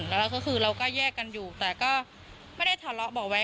แล้วก็คือเราก็แยกกันอยู่แต่ก็ไม่ได้ทะเลาะเบาะแว้